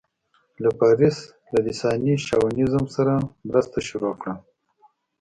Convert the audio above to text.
له فارس له لېساني شاونيزم سره مرسته شروع کړه.